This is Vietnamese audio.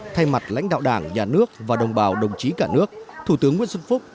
thay mặt lãnh đạo đảng nhà nước và đồng bào đồng chí cả nước thủ tướng nguyễn xuân phúc